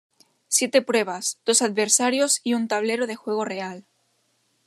Siete pruebas, dos adversarios y un tablero de juego real.